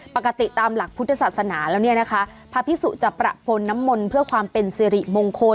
ปกติตามหลักพุทธศาสนาแล้วเนี่ยนะคะพระพิสุจะประพลน้ำมนต์เพื่อความเป็นสิริมงคล